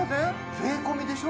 税込みでしょ？